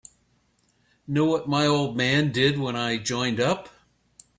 Know what my old man did when I joined up?